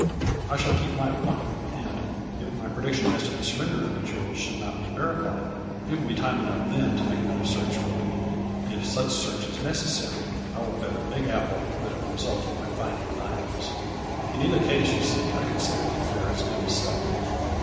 I shall keep my appointment and, if my predic tion as to the surrrender of the jewels shouldnot be verified, it will be time enough then to make another search for them. If such search is 90 A FLURRY IN DIAMONDS. necessary I will bet a big apple that it will result in my finding the diamonds. In either case you see I consider the affair as good as settled.